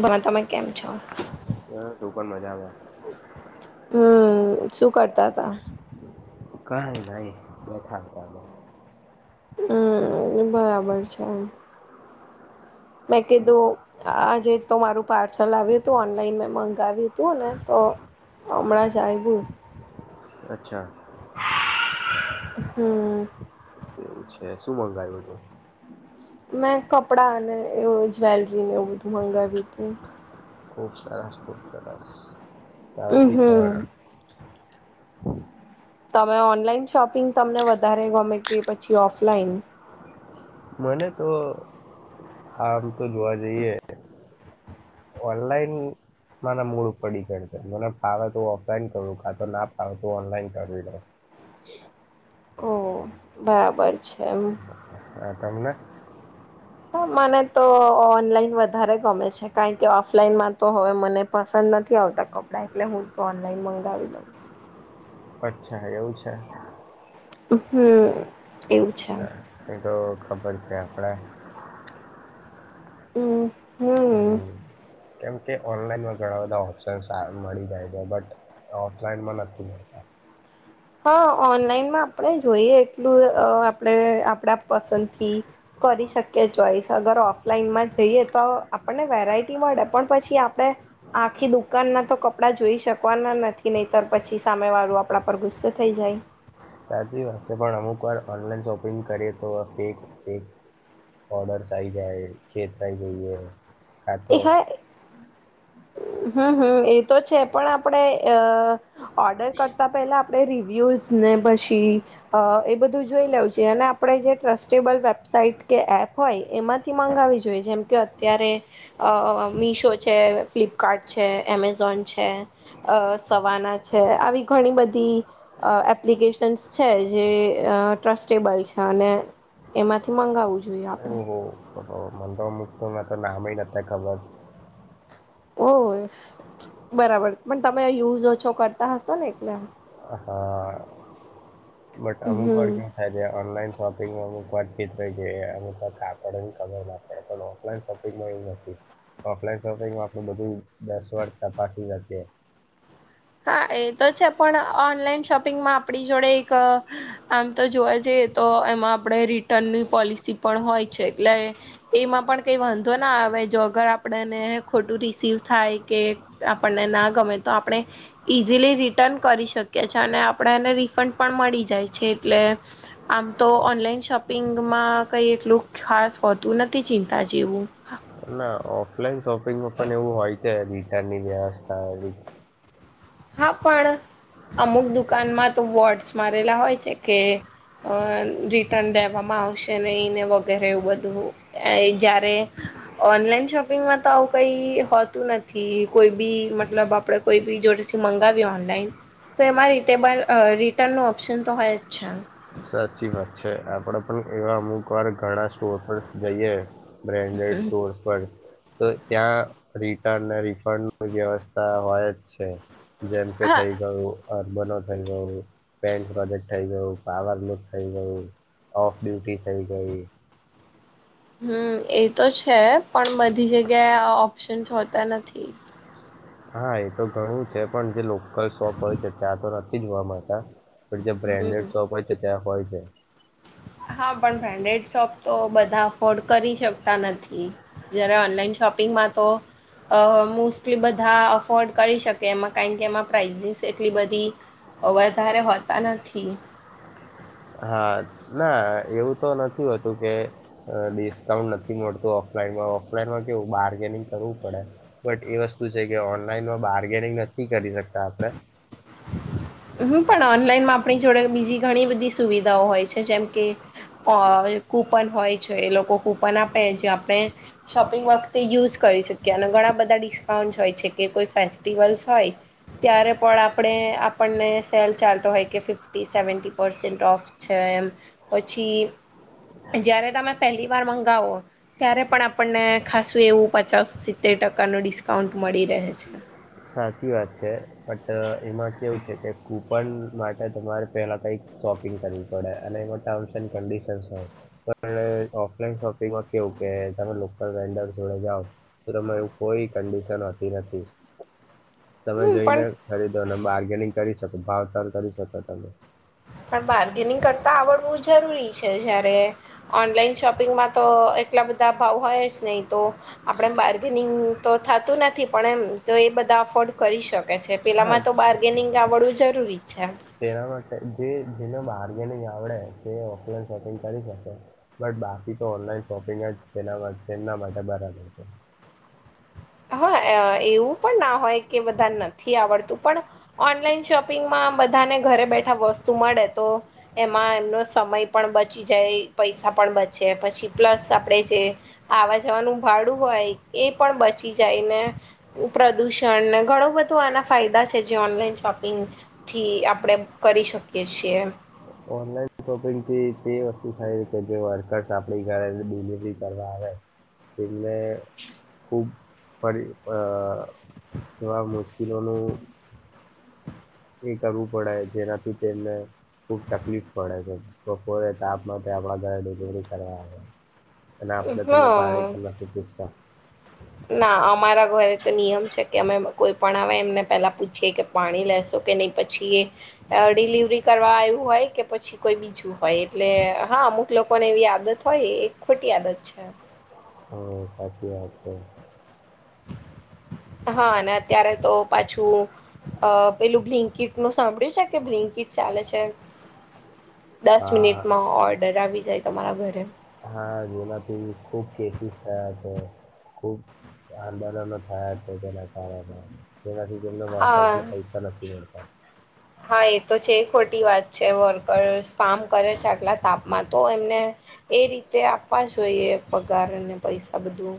પણ તમે કેમ છો. બસ હું પણ મજામાં હમ શું કરતા હતા. કઈનઈ ભાઈ બેઠા હતા. હમ બરાબર છે એમ. મેં કીધું આજે તો મારું પાર્સલ આવ્યું હતું. તું ઓનલાઈન મેં મંગાવ્યું હતું ને તો હમણાં જ આવ્યું. અચ્છા. હમ એવું છે શું મંગાયું હતું. મેં કપડા અને એ જ્વેલરીને એવું બધું મંગાવ્યું તું. ખૂબ સરસ ખૂબ સરસ તાકી હમ પણ હમ તમે ઓનલાઈન શોપિંગ તમને વધારે ગમે કે પછી ઓફલાઈન. મને તો આમ તો જોવા જઈએ ઓનલાઈન મને મૂળ ઉપર ડિપેન્ડ કર મને ફાવે તો ઓફલાઈન કરું કા તો ના ફાવે તો ઓનલાઈન કરી દે હ ઓ બરાબર છે એમ હ તમને? મને તો ઓનલાઈન વધારે ગમે છે કારણ કે ઓફલાઈનમાં તો હવે મને પસંદ નથી આવતા કપડા એટલે, હું તો ઓનલાઈન મંગાવી દઉં અચ્છા એવું છે. હમ એવું છે. હા, એ તો ખબર છે આપણા હમ. હમ. કેમ કે ઓનલાઈનમાં ઘણા બધા ઓપ્શન મળી જાય છે બટ ઓફલાઈન માં નથી. હા. ઓનલાઈનમાં આપણે જોઈએ એટલું આપણે આપડા પસંદથી કરી શકે ચોઈસ અગર ઓફલાઈનમાં જઈએ તો આપને વેરાયટી પણ પછી આપણે આખી દુકાન ના તો કપડા જોઈ શકવાના નથી નહીંતર પછી સામે વાળું આપણા પર ગુસ્સા થઈ જાય. સાચી વાત છે પણ અમુક વાર ઓનલાઈન શોપિંગ કરીએ તો ફેક ફેક બોર્ડર સાઇઝ હૈ ખેત પ ગઈ હ એ હા હમ હમ એ તો છે, પણ આપણે અ ઓર્ડર કરતા પેલા આપણે રિવ્યુઝ ને પછી એ બધું જોઈ લેવ છે આપણે જે ટ્રસ્ટેબલ વેબસાઇટ કે એપ હોય એમાં થી મંગાવી જોઈએ, જેમ કે અત્યારે અ મીશો છે, ફ્લિપકાર્ટ છે, એમેઝોન છે, અ સવાના છે આવી ઘણી બધી એપ્લિકેશન્સ છે, જે ટ્રસ્ટેબલ છે અને એમાંથી મંગાવવું જોઈએ આપણે. મ મુસ્ તો નામ નથી ખબર ઓ બરાબર, પણ તમે યુઝો ઓછો કર હા. બટ અમુક વાર હમ કેવું થાય છે ઓનલાઈન શોપિંગ અમુક વાર [unintelligible] અમ આપણે ખબર આપડે પણ ઓનલાઈન શોપિંગ માં એ નથી ઓફલાઈન શોપિંગમાં આપણું બધું ડેશબોર્ડ તપાસી શકીએ. હા. એ તો છે પણ ઓનલાઈન શોપિંગમાં આપણી જોડે એક આમ તો જોવા જઈએ તો એમાં આપણે રિટર્નની પોલિસી પણ હોય છે એટલે એમાં પણ કંઈ વાંધો ના આવે જો અગર આપણને ખોટું રિસીવ થાય કે આપણને ના ગમે તો આપણે ઈઝીલી રિટર્ન કરી શકીએ છી અને આપણે એને રિફંડ પણ મળી જાય છે એટલે આમ તો ઓનલાઈન શોપિંગમાં કંઈ એટલું ખાસ હોતું નથી ચિંતા જેવું. ના ઓફલાઈન શોપિંગમાં પણ એવું હોય છે રિટનની વ્યવસ્થા એ હા પણ અમુક દુકાનમાં તો બોર્ડ્સ મારેલા હોય છે કે અ રિટર્ન લેવામાં આવશે ને એને વગેરે એવું બધું જ્યારે ઓનલાઈન શોપિંગમાં તો આવ કઈ હોતું નથી કોઈ બી મતલબ આપડે કોઈ બી જોડે મંગાવ્યું ઓનલાઈન તો એમાં રિટેબલ રિટર્નનો ઓપ્શન તો હોય જ છે. સાચી વાત છે આપડે પણ એવા અમુક વાર ઘણા સ્ટોર પર જઈએ બ્રાન્ડેડ સ્ટોર્સ પર તો ત્યાં રિટર્ન ને રિફંડ વ્યવસ્થા હોય જ છે. જેમ કે હા થઈ ગયું અર્બનો થઇ ગયું‌ પે પ્રોજેક્ટ થઇ ગયું પાવર લુક થઈ ગયું‌ ઓફ ડ્યુટી થઈ ગઈ હમ એ તો છે પણ બધી જગ્યાએ ઓપ્શન્સ હોતા નથી. હા એ તો ઘણું છે પણ જે લોકલ શોપ હોય છે ત્યાં તો નથી જોવા મળતા પણ જ્યાં હમ બ્રાન્ડેડ શોપ હોય છે ત્યાં હોય છે. હા પણ બ્રાન્ડેડ શોપ તો બધા અફોર્ડ કરી શકતા નથી. જયારે ઓનલાઈન શોપિંગમાં તો અ એટલી બધા અફોર્ડ કરી શકે એમાં કારણ કે એમાં પ્રાઇઝિસ એટલી બધી વધારે હોતા નથી. હા ના એવું તો નથી હોતું કે ડિસ્કાઉન્ટ નથી મળતું ઓ ઓનમાં ઓફલાઈનમાં કેવું બાર્ગેનિંગ કરવું પડે બટ એ વસ્તુ છે કે ઓનલાઈનમાં બારગેનિંગ ન કરી શકતા આપણે હમ પણ ઓનલાઈન માં આપણી જોડે બીજી ઘણી બધી સુવિધાઓ હોય છે. જેમ કે અ કુપન હોય છે એ લોકો કુપન આપે જે આપણે શોપિંગ વખતે યુઝ કરી શક્યા અને ઘણા બધા ડિસ્કાઉન્ટ હોય છે કે કોઈ ફેસ્ટિવલસ હોય. ત્યારે પણ આ ને આપણને સેલ ચાલતો હોય કે ફિફી સેવીન્ટ ઓફ છે એ પછી તે જયારે તમે પહેલી વાર મંગાવો ત્યારે પણ આપણને ખાસું એવું પચાસ સીતેર ટકા નુ ડિસ્કાઉન્ટ મળી રહે છે. સાચી વાત છે બટ એમાં કેવું છે કે કુપન માટે તમારે પેલા કઈ- સોપિંગ કરવી પડે અને એ ટર્મ એ કનડીસન સુ આપણે ઓફલાઈન શોપિંગમાં કેવું કે તમે લોકલ વેન્ડર જોડે જાઓ ત એવું કોઈ કંડીશન હોતી નથી. તમે હમ પણ જોઈને ખરીદો અને બાર્ગેનિંગ કરી શકો ભાવતલ કરી શકો તમે પણ બાર્ગેનિંગ કરતા આવડવું જરૂરી છે જયારે ઓનલાઈન શોપિંગમાં તો એટલા બધા ભાવ હોય જ નહીં તો આપણે બાર્ગેનિંગ તો થતું નથી પણ એમ તો એ બધા અફોર્ડ કરી શ કે છે હા પેલામાં તો બાર્ગેનિંગ આવડવું જરૂરી છે તેવા માટે તે જેને બાર્ગેનિંગ આવડે તે ઓફલાઈન શોપિંગ કરી શકે બટ બાકી તો ઓનલાઈન શો શપિંગ તેના તેમના માટે બરાબર છે. હા એવું પણ ના હોય કે બધા નથી આવડતું પણ ઓનલાઈન શોપિંગમાં બધાને ઘરે બેઠા વસ્તુ તું મળે તો એમાં એમનો સમય પણ બચી જાય પૈસા પણ બચે પછી પ્લસ આપે જે આવા જવાનું ભાડું હોય એ પણ બચે જાયને પ્રદુષણને ઘણું થી આપણે કરી શકીએ છીએ ઓનલાઈન શોપિંગ થી તે વસ્તુ થાય કે જે વર્કર્સ આપડી ઘરે ડિલિવરી કરવા આવે એમને ખુબ ફરી એવા મુશ્કેલનું એ કરવું પડે જેનાથી તેમને ખુબ તકલીફ પડે છે બપોરે તાપમાં આપણા ઘરે ડિલિવરી કરવા આવે અને આપણે હ તમે પાણી પણ નથી પૂછતા ના અમારા ઘરે તો નિયમ છે કે અમે કોઈ પણ આવે એમને પેલા પૂછીએ કે પાણી લેશો કે નહી પછી એ ડિલિવરી કરવા આવ્યું હોય કે પછી કોઈ બીજું હોય એટલે હા અમુક લોકોને એવી આદત હોય એક ખોટી આદત છે હમ હમ હા ના ત્યારે તો પાછું પેલું બ્લિંકિટ નું સાંભળ્યું છે ને બ્લિંકિટ ચાલે છે દસ હા મિનિટમાં ઓર્ડર આવી જાય તમારા ઘરે હા જેમાંથી ખુબ કેસીસ થયા છે ખુબ આંદોલનો થયા હતા તેના કારણે તેનાથી તેમના વર્કર્સ હા ને પૈસા નથી મળ્યા હા એ તો છે એ ખોટી વાત છે વર્કર્સ કામ કરે છે આટલા તાપમાં તો એમને એ રીતે આપવા જોઈએ પગાર અને પૈસા બધું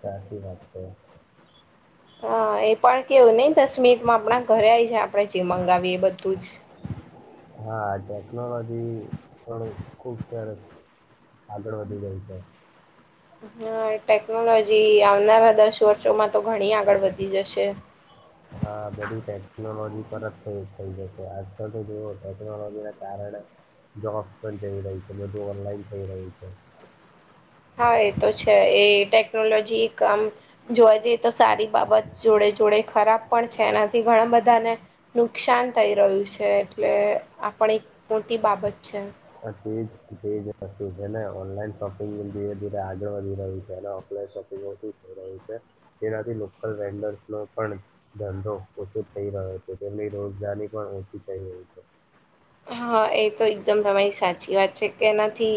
સાચી વાત છે હા એ પણ કેવું નઈ દસ મિનિટમાં આપણા ઘરે આવી આપડે જીવ મંગાવીએ બધું જ હા ટેકનોલોજી પણ ખુબ સરસ આગળ વધી જાય છે હા ટેકનોલોજી આવનારા દસ વર્ષોમાં તો ઘણી આગળ વધી જશે હા બધું તરત થઈ થઈ જશે આજકાલ તો જુઓ ટેકનોલોજી ના કારણે જોબ્સ પણ જઈ રહી છે બધું ઓનલાઈન થઈ રહ્યું છે હા એ તો છે એ ટેકનોલોજી આમ જોવા જઈએ તો સારી બાબત જોડે જોડે ખરાબ પણ છે એનાથી ઘણા બધાને નુકસાન થઈ રહ્યું છે એટલે આ એક મોટી બાબત છે હ તે જસ્તુ છે ને ઓનલાઈન શોપિંગ ધીરે ધીરે આગળ વધી રહ્યું છે છે તેનાથી લોકલ વેન્ડર્સ નો પણ ધંધો ઓછો થઈ રહ્યો છે તેમની રોજગારી પણ ઓછી થઈ રહી છે હા એ તો એકદમ તમારી સાચી વાત છે કે એનાથી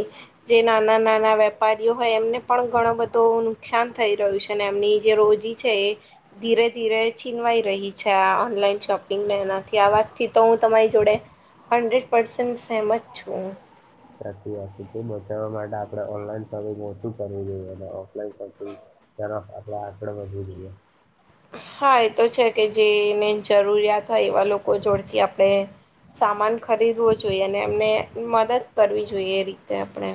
જે નાના નાના વેપારી હોય એમને પણ ઘણું બધો નુકસાન થઈ રહ્યું છે અને એમની જે રોજી છે એ ધીરે ધીરે છીનવાઈ રહી છે આ ઓનલાઈન શોપિંગને એનાથી આ વાત થી તો હું તમારી જોડે હન્ડ્રેડ પરસેેન્ટ સેહમત છું પ્રકિયાથી તે બચાવવા માટે આપણે ઓનલાનછું કરવું જોઈએ અને ઓફલાઈન શોપિંગ તરફ આપણે આગડ વધવુ જોઈએ હા એ તો છે કે જેને જરૂરિયાત હોય એવા લોકો જોડથી આપણે સામાન ખરીદવો જોઈએ અને એમને મદદ કરવી જોઈએ એ રીતે આપણે.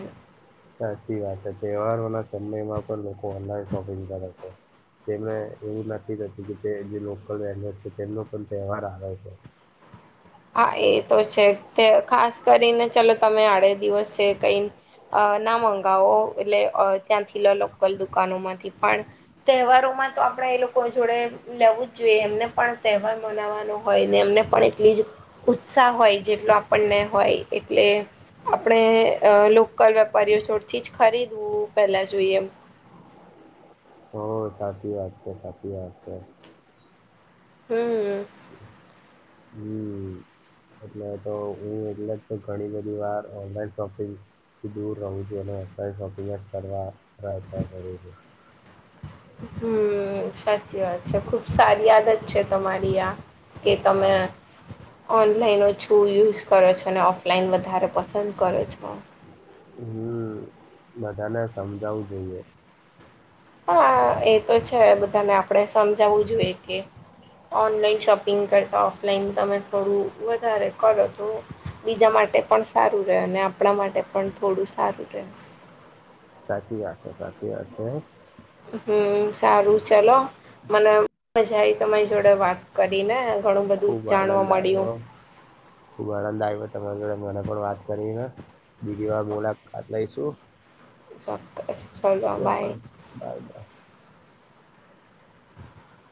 સાચી વાત છે તહેવારોના ચન્મયમાં પણ લોકો ઓનલાઈન શોપિંગ કરે છે. તે એવું નક્કી થતું કે તે જે લોકલ વન છે તેમનો પણ તહેવાર આવે છે. [inaudible] હા એ તો છે તે ખાસ કરીને ચલોો તમે આડે દિવસ છે કઈ અ ના મગાવો એટલે ત્યાંથી લો લોકલ દુકાનો માંથી પણ તહેવારો તો આપણેે એ લોકો જોડે લેવું જ જોઈએ એમને પણ તહેવાર મનાવવાનો હોય ને એમને પણ એટલી જ ઉત્સાહ હોય જેટલો આપણને હોય એટલે આપણે લોકલ વેપારી છોડ થી જ ખરીદવું પેલા જોઈએમ [inaudible] સાચી વાત છે સાચી વાત છે. હમ્મ. હમ્મ. એટલે તો હું એટલે જ ઘણી બધી વાર ઓનલાઈન શોપિંગ થી દૂર રું છું અને અત્યારે શોપિંગ જ કરવા પ્રયન કરું છું. હમ્મ સા અચ છે ખૂબ સારી આદત છે તમારી આ કે તમે હા ઓન ઓનલાઈનો છું યુઝ કરો છો અને ઓફલાઈન વધારે પસંદ કરો છો. હમ્મ બધાને સમજાવું જોઈએ. હા એ તો છે બધાને આપણે સમજાવું જોઈએ કે ઓનલાઈન શોપિંગ કરતા ઓફલાઈન તમે થોડું વધારે કરો તો બીજા માટે પણ સારું રહે અને આપણા માટે પણ થોડું સારું રહે. સાચી વાત છે સાચી વાત છે. હમ્મ સારું ચલો. મને મજા આવી તમારી જોડે વાત કરીને ઘણું બધું ખુબ જાણવા આનંદ મળ્યું આવ્યો ખુબ આનંદ આવ્યો તમારી મને પણ વાત કરીને બીજી વાર મુલાકાત લઈશું. [inaudible] બાય ચોક્કસ બાય બાય.